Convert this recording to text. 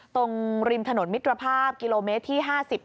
ตรงริมถนนมิตรภาพกิโลเมตรที่๕๐